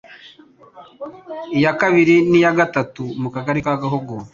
iya kabiri ni iya gatatu mu Kagari ka Gahogo